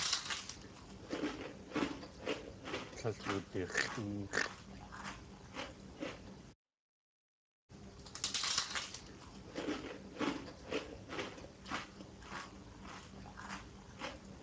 Tlél wudax̲ʼéex̲ʼ.